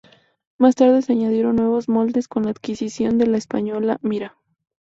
Más tarde se añadieron nuevos moldes con la adquisición de la española Mira.